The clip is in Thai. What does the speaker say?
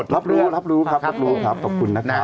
รับรู้ครับรับรู้ครับรับรู้ครับขอบคุณนะครับนะครับ